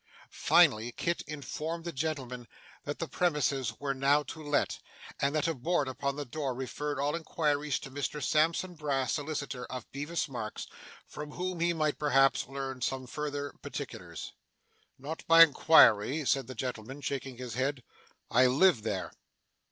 Finally, Kit informed the gentleman that the premises were now to let, and that a board upon the door referred all inquirers to Mr Sampson Brass, Solicitor, of Bevis Marks, from whom he might perhaps learn some further particulars. 'Not by inquiry,' said the gentleman shaking his head. 'I live there.